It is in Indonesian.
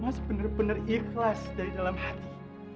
mas bener bener ikhlas dari dalam hati